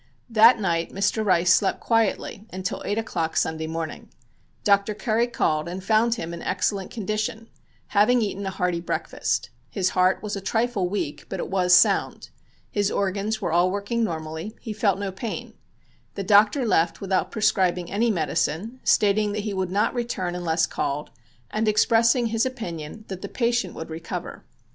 That night Mr. Rice slept quietly until eight o'clock Sunday morning. Dr. Curry called and found him in excellent condition, having eaten a hearty breakfast. His heart was a trifle weak, but it was sound. His organs were all working normally; he felt no pain. The doctor left without prescribing any medicine, stating that he would not return unless called, and expressing his opinion that the patient would recover.